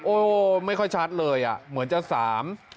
โอ้ไม่ค่อยชัดเลยอ่ะเหมือนจะสาม